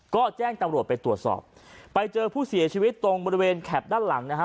ก็แจ้งตำรวจไปตรวจสอบไปเจอผู้เสียชีวิตตรงบริเวณแข็บด้านหลังนะฮะ